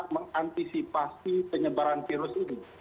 mengantisipasi penyebaran virus ini